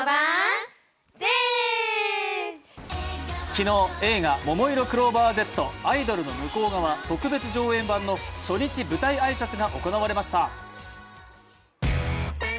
昨日、映画「ももいろクローバーＺアイドルの向こう側特別上映版」の初日舞台挨拶が行われました。